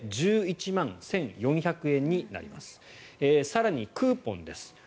更にクーポンです。